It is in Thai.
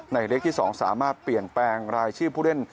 เลขที่๒สามารถเปลี่ยนแปลงรายชื่อผู้เล่น